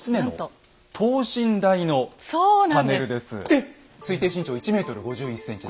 えっ⁉推定身長１ｍ５１ｃｍです。